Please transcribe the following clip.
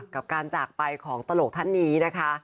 กับการจากไปของตลกท่านนี้นะคะ